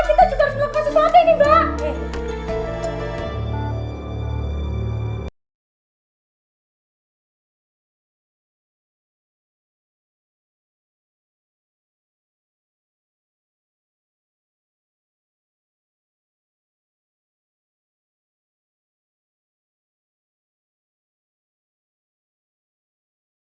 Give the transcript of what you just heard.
kita juga harus melakukan sesuatu ini mbak